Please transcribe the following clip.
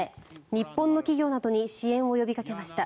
日本の企業などに支援を呼びかけました。